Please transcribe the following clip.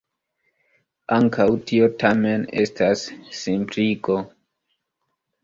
Ankaŭ tio tamen estas simpligo.